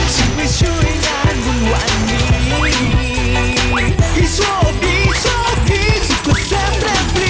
สวัสดีครับ